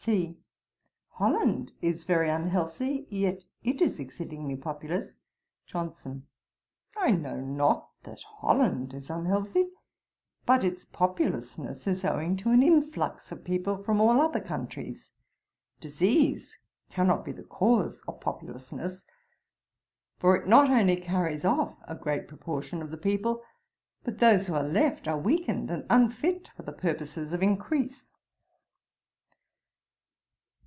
C. 'Holland is very unhealthy, yet it is exceedingly populous.' JOHNSON. 'I know not that Holland is unhealthy. But its populousness is owing to an influx of people from all other countries. Disease cannot be the cause of populousness, for it not only carries off a great proportion of the people, but those who are left are weakened and unfit for the purposes of increase.'